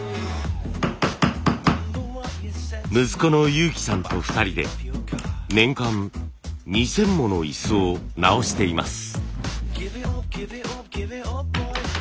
息子の悠己さんと２人で年間２，０００もの椅子を直しています。